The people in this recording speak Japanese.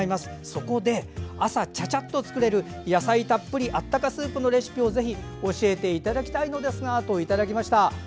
そこで、朝ちゃちゃっと作れる野菜たっぷりのあったかスープのレシピを教えていただきたいのですが」と、いただきました。